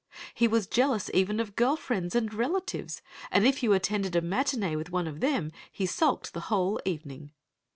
He was jealous even of girl friends and relatives, and if you attended a matinée with one of them, he sulked the whole evening.